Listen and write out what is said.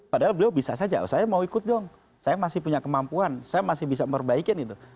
padahal beliau bisa saja saya mau ikut dong saya masih punya kemampuan saya masih bisa memperbaikin itu